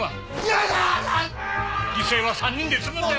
犠牲は３人で済むんだよ。